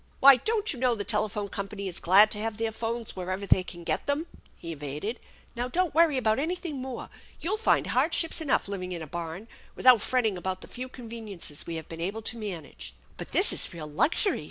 Why, don't you know the telephone company is glad to have their phones wherever they can get them ?" he evaded. " Now, don't worry about anything more. You'll find hard ships enough living in a barn without fretting about the few conveniences we have been ablo to manage." " But this is real luxury